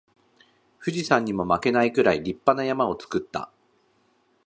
富士山にも負けないくらい立派な山を作った